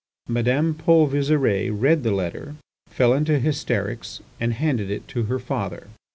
Madame Paul Visire read the letter, fell into hysterics, and handed it to her father.